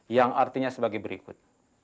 yang artinya sebagai berikut